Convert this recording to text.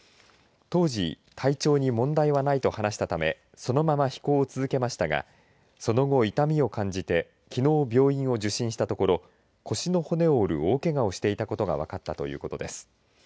当時、体調に問題はないと話したためそのまま飛行を続けましたがその後、痛みを感じてきのう病院を受診したところ腰の骨を折る大けがをしていたことが分かったということです。